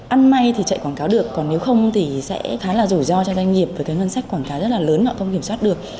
ăn may thì chạy quảng cáo được còn nếu không thì sẽ khá là rủi ro cho doanh nghiệp với cái ngân sách quảng cáo rất là lớn họ không kiểm soát được